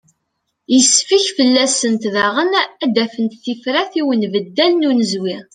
Yessefk fell-asent daɣen ad d-afent tifrat i unbeddal n unezwi.